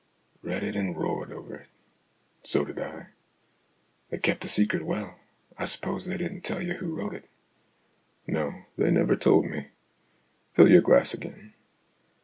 " Read it and roared over it." " So did I." " They kept the secret well. I suppose they didn't tell you who wrote it ?"" No, they never told me. Fill your glass again."